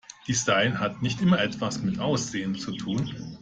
Design hat nicht immer etwas mit Aussehen zu tun.